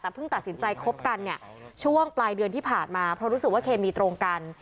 แต่เพิ่งตัดสินใจคบกันเนี่ยช่วงปลายเดือนที่ผ่านมาเพราะรู้สึกว่าเคมีตรงกัน